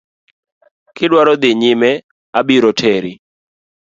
Kidwaro dhi nyime abiro teri.